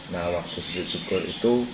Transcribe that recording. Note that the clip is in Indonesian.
nah waktu sujud syukur itu